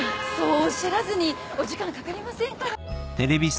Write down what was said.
そうおっしゃらずにお時間かかりませんから。